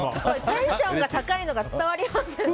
テンションが高いのが伝わりますよね。